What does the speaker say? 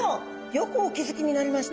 よくお気付きになりました。